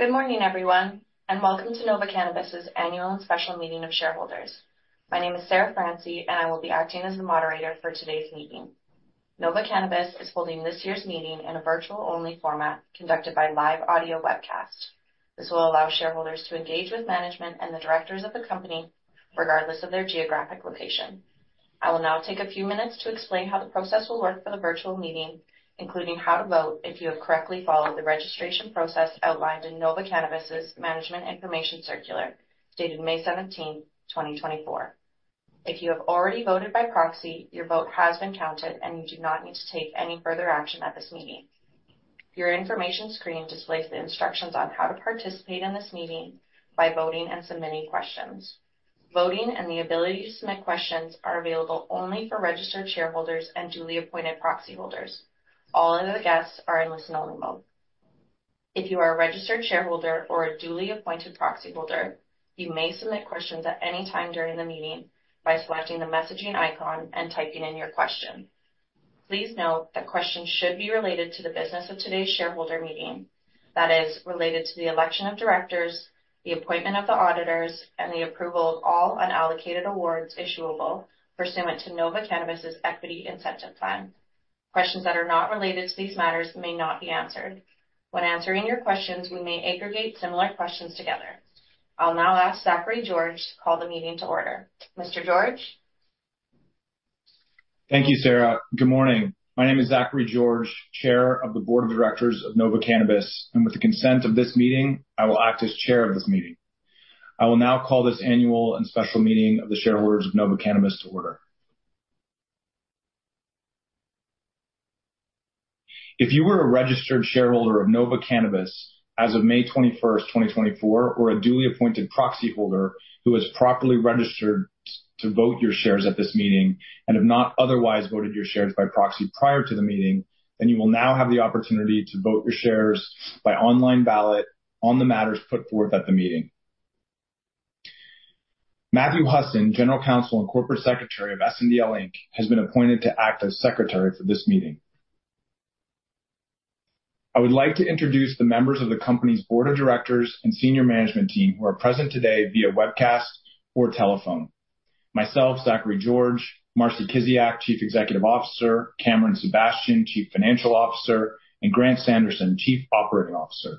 Good morning, everyone, and welcome to Nova Cannabis' Annual and Special Meeting of Shareholders. My name is Sarah Francy, and I will be acting as the moderator for today's meeting. Nova Cannabis is holding this year's meeting in a virtual-only format conducted by live audio webcast. This will allow shareholders to engage with management and the directors of the company regardless of their geographic location. I will now take a few minutes to explain how the process will work for the virtual meeting, including how to vote if you have correctly followed the registration process outlined in Nova Cannabis' Management Information Circular, dated May 17th, 2024. If you have already voted by proxy, your vote has been counted, and you do not need to take any further action at this meeting. Your information screen displays the instructions on how to participate in this meeting by voting and submitting questions. Voting and the ability to submit questions are available only for registered shareholders and duly appointed proxy holders. All other guests are in listen-only mode. If you are a registered shareholder or a duly appointed proxy holder, you may submit questions at any time during the meeting by selecting the messaging icon and typing in your question. Please note that questions should be related to the business of today's shareholder meeting, that is, related to the election of directors, the appointment of the auditors, and the approval of all unallocated awards issuable pursuant to Nova Cannabis' Equity Incentive Plan. Questions that are not related to these matters may not be answered. When answering your questions, we may aggregate similar questions together. I'll now ask Zachary George to call the meeting to order. Mr. George. Thank you, Sarah. Good morning. My name is Zachary George, Chair of the Board of Directors of Nova Cannabis. With the consent of this meeting, I will act as chair of this meeting. I will now call this annual and special meeting of the shareholders of Nova Cannabis to order. If you were a registered shareholder of Nova Cannabis as of May 21st, 2024, or a duly appointed proxy holder who has properly registered to vote your shares at this meeting and have not otherwise voted your shares by proxy prior to the meeting, you will now have the opportunity to vote your shares by online ballot on the matters put forth at the meeting. Matthew Husson, General Counsel & Corporate Secretary of SNDL Inc, has been appointed to act as secretary for this meeting. I would like to introduce the members of the company's board of directors and senior management team who are present today via webcast or telephone. Myself, Zachary George; Marcie Kiziak, Chief Executive Officer; Cameron Sebastian, Chief Financial Officer; and Grant Sanderson, Chief Operating Officer.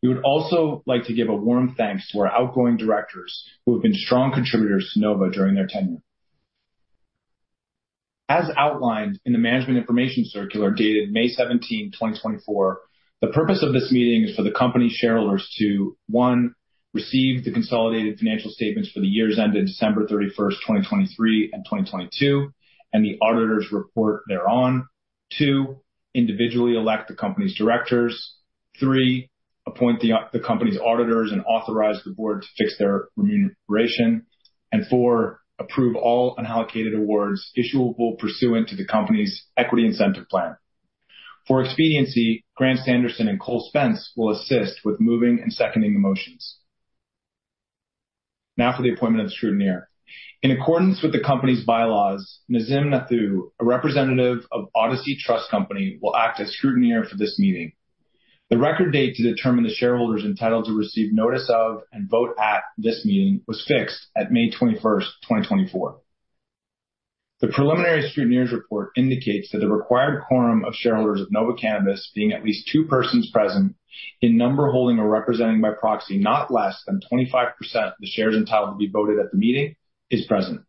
We would also like to give a warm thanks to our outgoing directors, who have been strong contributors to Nova during their tenure. As outlined in the Management Information Circular dated May 17th, 2024, the purpose of this meeting is for the company shareholders to, one, receive the consolidated financial statements for the years ended December 31st, 2023 and 2022, and the auditor's report thereon. Two, individually elect the company's directors. Three, appoint the company's auditors and authorize the board to fix their remuneration. Four, approve all unallocated awards issuable pursuant to the company's Equity Incentive Plan. For expediency, Grant Sanderson and Cole Spence will assist with moving and seconding the motions. For the appointment of scrutineer. In accordance with the company's bylaws, Nazim Nathoo, a representative of Odyssey Trust Company, will act as scrutineer for this meeting. The record date to determine the shareholders entitled to receive notice of and vote at this meeting was fixed at May 21st, 2024. The preliminary scrutineer's report indicates that the required quorum of shareholders of Nova Cannabis, being at least two persons present in number holding or representing by proxy, not less than 25% the shares entitled to be voted at the meeting, is present.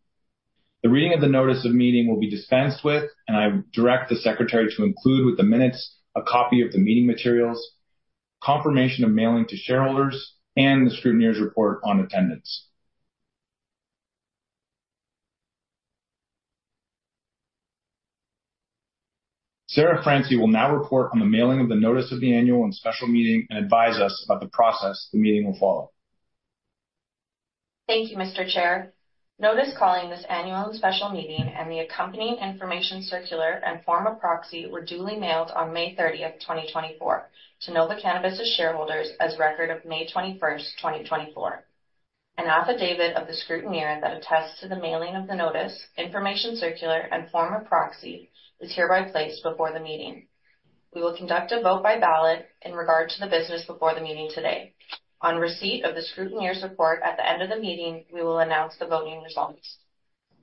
The reading of the notice of meeting will be dispensed with, and I direct the secretary to include with the minutes a copy of the meeting materials, confirmation of mailing to shareholders, and the scrutineer's report on attendance. Sarah Francy will now report on the mailing of the notice of the annual and special meeting and advise us about the process the meeting will follow. Thank you, Mr. Chair. Notice calling this Annual and Special Meeting and the accompanying Information Circular and form of proxy were duly mailed on May 30th, 2024 to Nova Cannabis' shareholders as record of May 21st, 2024. An affidavit of the scrutineer that attests to the mailing of the Notice, Information Circular, and form of proxy is hereby placed before the meeting. We will conduct a vote by ballot in regard to the business before the meeting today. On receipt of the scrutineer's report at the end of the meeting, we will announce the voting results.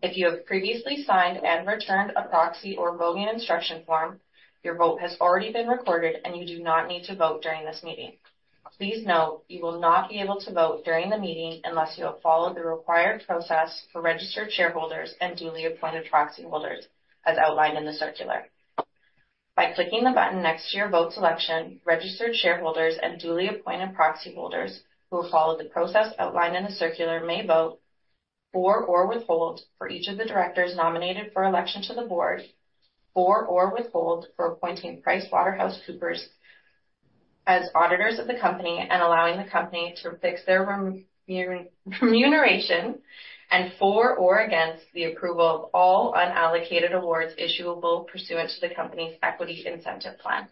If you have previously signed and returned a proxy or voting instruction form, your vote has already been recorded, and you do not need to vote during this meeting. Please note, you will not be able to vote during the meeting unless you have followed the required process for registered shareholders and duly appointed proxy holders as outlined in the circular. By clicking the button next to your vote selection, registered shareholders and duly appointed proxy holders who have followed the process outlined in the circular may vote for or withhold for each of the directors nominated for election to the board, for or withhold for appointing PricewaterhouseCoopers as auditors of the company and allowing the company to fix their remuneration, and for or against the approval of all unallocated awards issuable pursuant to the company's Equity Incentive Plan.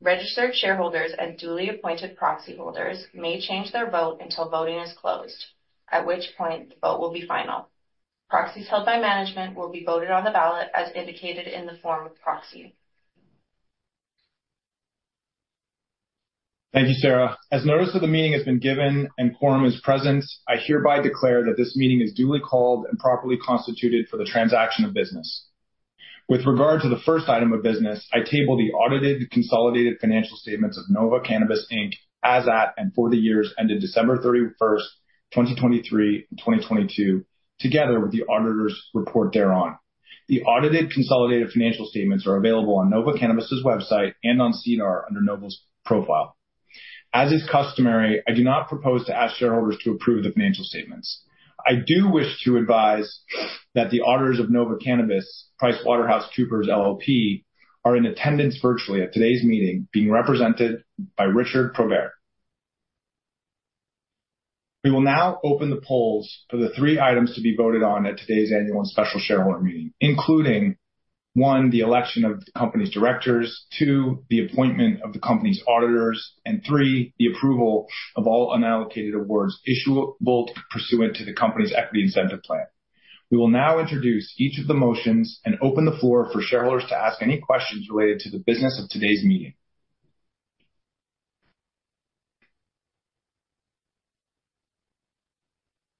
Registered shareholders and duly appointed proxy holders may change their vote until voting is closed, at which point the vote will be final. Proxies held by management will be voted on the ballot as indicated in the form of proxy. Thank you, Sarah. As notice of the meeting has been given and quorum is present, I hereby declare that this meeting is duly called and properly constituted for the transaction of business. With regard to the first item of business, I table the audited consolidated financial statements of Nova Cannabis Inc as at and for the years ended December 31st, 2023 and 2022, together with the auditor's report thereon. The audited consolidated financial statements are available on Nova Cannabis' website and on SEDAR under Nova's profile. As is customary, I do not propose to ask shareholders to approve the financial statements. I do wish to advise that the auditors of Nova Cannabis, PricewaterhouseCoopers LLP, are in attendance virtually at today's meeting, being represented by Richard Probert. We will now open the polls for the three items to be voted on at today's Annual and Special Shareholder Meeting, including, one, the election of the company's directors, two, the appointment of the company's auditors, and three, the approval of all unallocated awards issuable pursuant to the company's Equity Incentive Plan. We will now introduce each of the motions and open the floor for shareholders to ask any questions related to the business of today's meeting.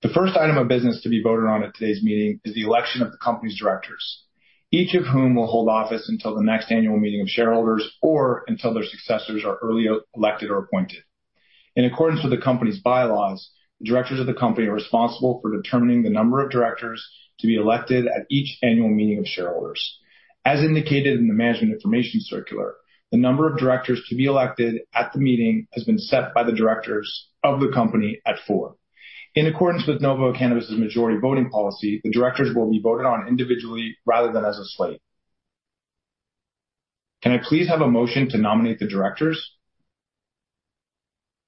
The first item of business to be voted on at today's meeting is the election of the company's directors, each of whom will hold office until the next annual meeting of shareholders, or until their successors are earlier elected or appointed. In accordance with the company's bylaws, the directors of the company are responsible for determining the number of directors to be elected at each annual meeting of shareholders. As indicated in the Management Information Circular, the number of directors to be elected at the meeting has been set by the directors of the company at four. In accordance with Nova Cannabis' majority voting policy, the directors will be voted on individually rather than as a slate. Can I please have a motion to nominate the directors?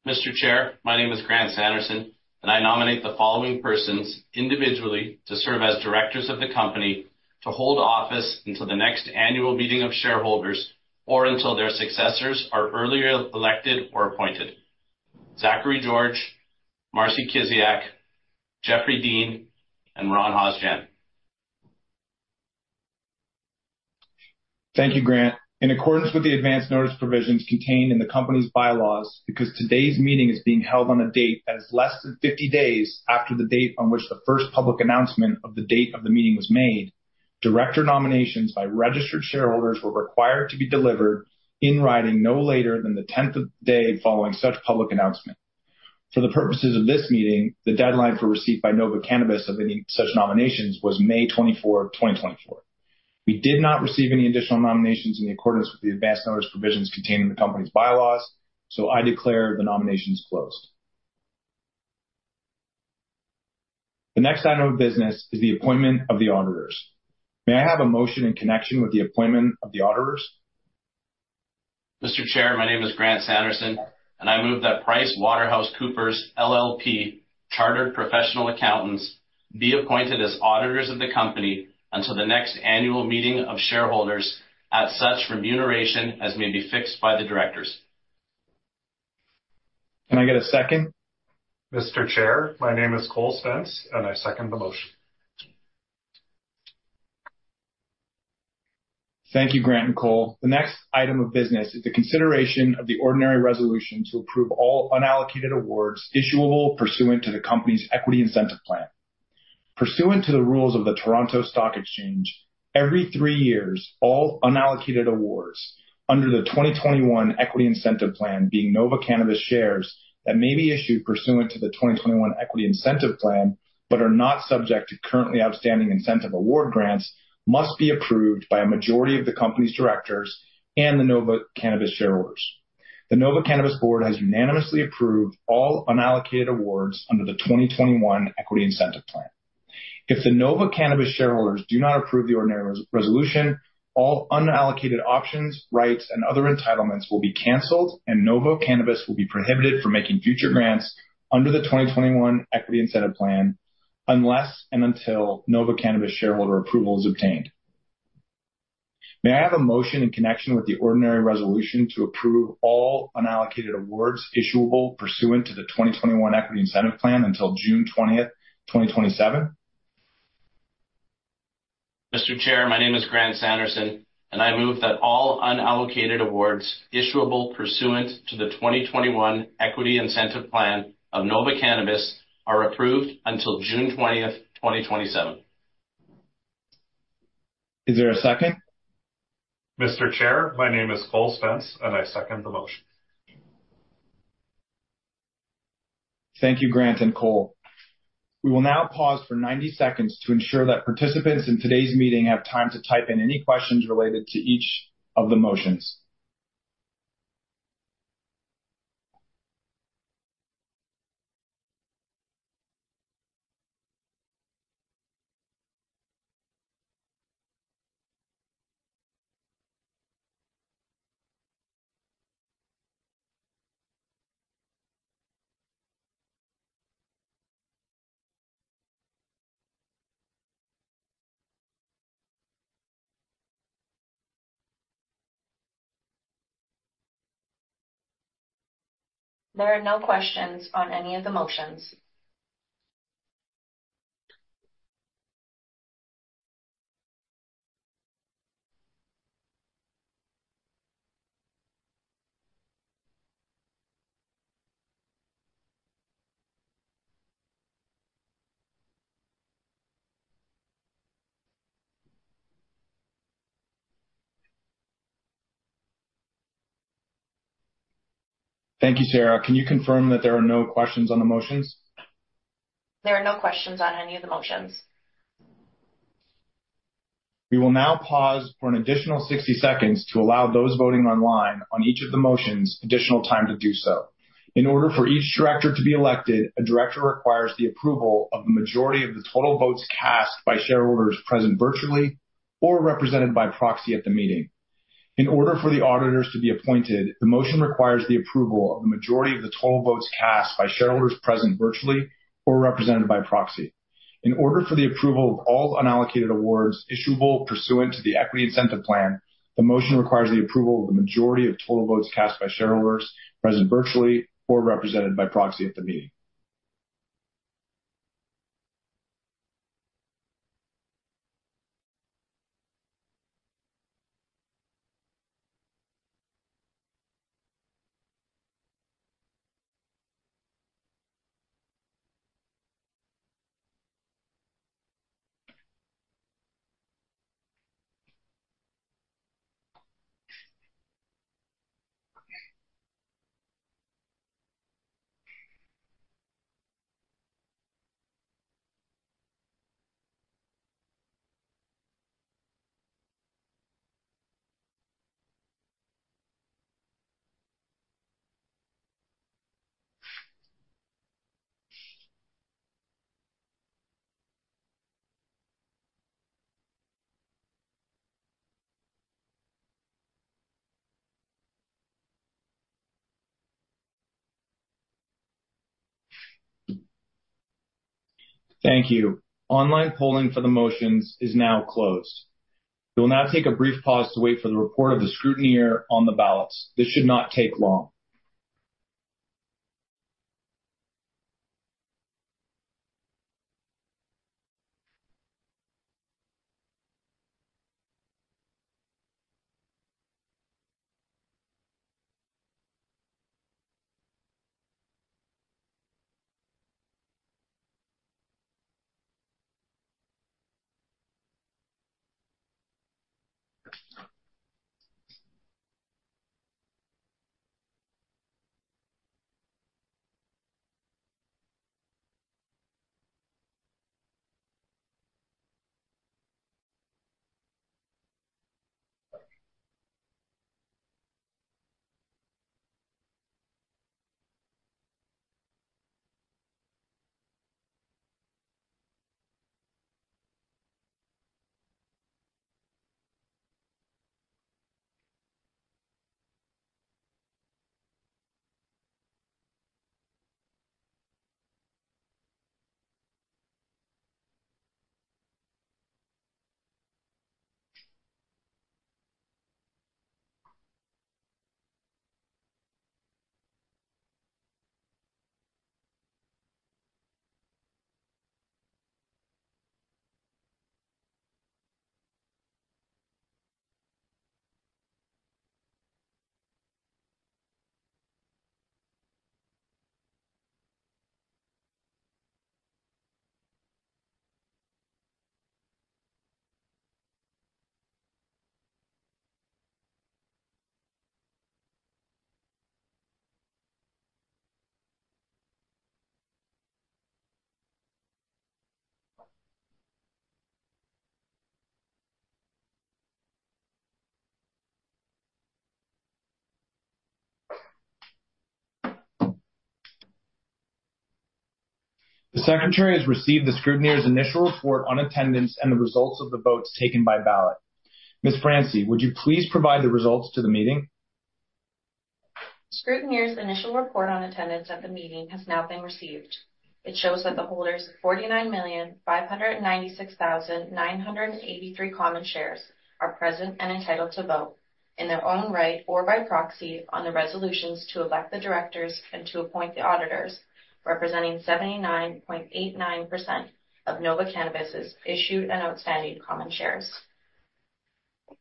Mr. Chair, my name is Grant Sanderson, I nominate the following persons individually to serve as directors of the company to hold office until the next annual meeting of shareholders, or until their successors are earlier elected or appointed. Zachary George, Marcie Kiziak, Jeffrey Dean, and Ron Hozjan. Thank you, Grant. In accordance with the advance notice provisions contained in the company's bylaws, because today's meeting is being held on a date that is less than 50 days after the date on which the first public announcement of the date of the meeting was made, director nominations by registered shareholders were required to be delivered in writing no later than the 10th day following such public announcement. For the purposes of this meeting, the deadline for receipt by Nova Cannabis of any such nominations was May 24th, 2024. We did not receive any additional nominations in accordance with the advance notice provisions contained in the company's bylaws. I declare the nominations closed. The next item of business is the appointment of the auditors. May I have a motion in connection with the appointment of the auditors? Mr. Chair, my name is Grant Sanderson, and I move that PricewaterhouseCoopers LLP, chartered professional accountants, be appointed as auditors of the company until the next annual meeting of shareholders at such remuneration as may be fixed by the directors. Can I get a second? Mr. Chair, my name is Cole Spence, and I second the motion. Thank you, Grant and Cole. The next item of business is the consideration of the ordinary resolution to approve all unallocated awards issuable pursuant to the company's Equity Incentive Plan. Pursuant to the rules of the Toronto Stock Exchange, every three years, all unallocated awards under the 2021 Equity Incentive Plan, being Nova Cannabis shares that may be issued pursuant to the 2021 Equity Incentive Plan but are not subject to currently outstanding incentive award grants, must be approved by a majority of the company's directors and the Nova Cannabis shareholders. The Nova Cannabis board has unanimously approved all unallocated awards under the 2021 Equity Incentive Plan. If the Nova Cannabis shareholders do not approve the ordinary resolution, all unallocated options, rights, and other entitlements will be canceled, and Nova Cannabis will be prohibited from making future grants under the 2021 Equity Incentive Plan unless and until Nova Cannabis shareholder approval is obtained. May I have a motion in connection with the ordinary resolution to approve all unallocated awards issuable pursuant to the 2021 Equity Incentive Plan until June 20th, 2027? Mr. Chair, my name is Grant Sanderson, and I move that all unallocated awards issuable pursuant to the 2021 Equity Incentive Plan of Nova Cannabis are approved until June 20th, 2027. Is there a second? Mr. Chair, my name is Cole Spence, and I second the motion. Thank you, Grant and Cole. We will now pause for 90 seconds to ensure that participants in today's meeting have time to type in any questions related to each of the motions. There are no questions on any of the motions. Thank you, Sarah. Can you confirm that there are no questions on the motions? There are no questions on any of the motions. We will now pause for an additional 60 seconds to allow those voting online on each of the motions additional time to do so. In order for each director to be elected, a director requires the approval of the majority of the total votes cast by shareholders present virtually or represented by proxy at the meeting. In order for the auditors to be appointed, the motion requires the approval of the majority of the total votes cast by shareholders present virtually or represented by proxy. In order for the approval of all unallocated awards issuable pursuant to the Equity Incentive Plan, the motion requires the approval of the majority of total votes cast by shareholders present virtually or represented by proxy at the meeting. Thank you. Online polling for the motions is now closed. We will now take a brief pause to wait for the report of the scrutineer on the ballots. This should not take long. The secretary has received the scrutineer's initial report on attendance and the results of the votes taken by ballot. Ms. Francy, would you please provide the results to the meeting? The scrutineer's initial report on attendance at the meeting has now been received. It shows that the holders of 49,596,983 common shares are present and entitled to vote in their own right or by proxy on the resolutions to elect the directors and to appoint the auditors, representing 79.89% of Nova Cannabis' issued and outstanding common shares.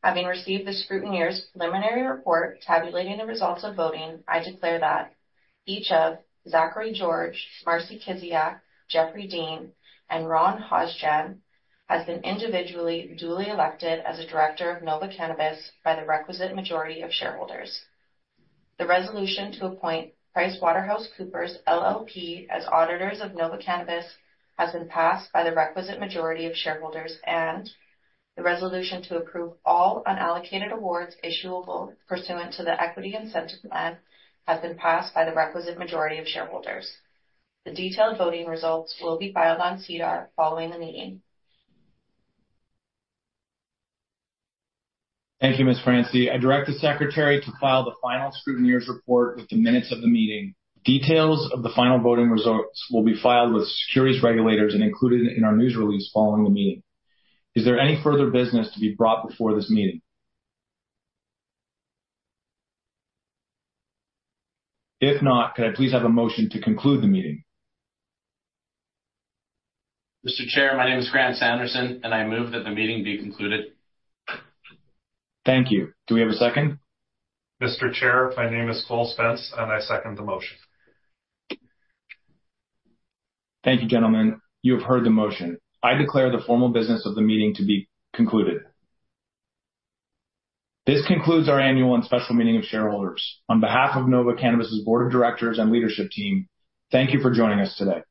Having received the scrutineer's preliminary report tabulating the results of voting, I declare that each of Zachary George, Marcie Kiziak, Jeffrey Dean, and Ron Hozjan has been individually duly elected as a director of Nova Cannabis by the requisite majority of shareholders. The resolution to appoint PricewaterhouseCoopers LLP as auditors of Nova Cannabis has been passed by the requisite majority of shareholders, and the resolution to approve all unallocated awards issuable pursuant to the Equity Incentive plan has been passed by the requisite majority of shareholders. The detailed voting results will be filed on SEDAR following the meeting. Thank you, Ms. Francy. I direct the secretary to file the final scrutineer's report with the minutes of the meeting. Details of the final voting results will be filed with securities regulators and included in our news release following the meeting. Is there any further business to be brought before this meeting? If not, could I please have a motion to conclude the meeting? Mr. Chair, my name is Grant Sanderson, and I move that the meeting be concluded. Thank you. Do we have a second? Mr. Chair, my name is Cole Spence, and I second the motion. Thank you, gentlemen. You have heard the motion. I declare the formal business of the meeting to be concluded. This concludes our annual and special meeting of shareholders. On behalf of Nova Cannabis's board of directors and leadership team, thank you for joining us today.